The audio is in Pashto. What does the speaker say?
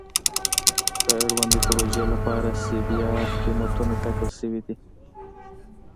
د اړوندې پروژې لپاره سی بي ار قیمتونه ټاکل شوي دي